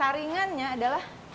dan yang kemudiannya adalah